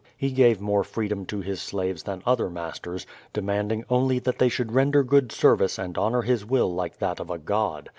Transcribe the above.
He gave more freedom to his slaves than other masters, demanding only that they should render good service and honor his will like that of a god.